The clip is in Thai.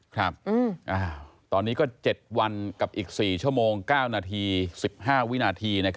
ครับตอนนี้ก็๗วันกับอีก๔ชั่วโมง๙นาที๑๕วินาที